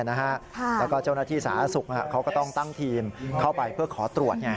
แล้วก็เจ้าหน้าที่สาธารณสุขเขาก็ต้องตั้งทีมเข้าไปเพื่อขอตรวจ